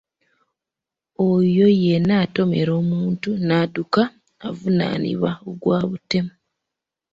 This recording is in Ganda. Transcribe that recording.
Oyo yenna atomera omuntu n'adduka avunaanibwa gwa butemu.